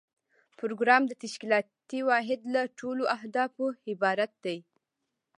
پروګرام د تشکیلاتي واحد له ټولو اهدافو عبارت دی.